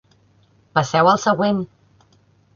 Passeu al següent!